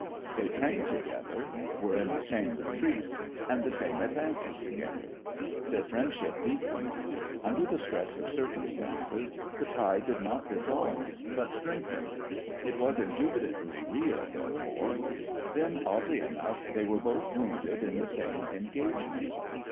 They trained together, were in the same retreats and the same advances together. Their friendship deepened. Under the stress of circumstances the tie did not dissolve, but strengthened. It was indubitably real, therefore. Then, oddly enough, they were both wounded in the same engagement.